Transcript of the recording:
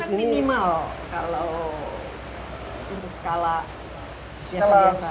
butuhkan minimal kalau itu skala biasa biasa